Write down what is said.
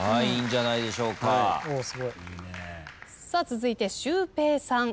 続いてシュウペイさん。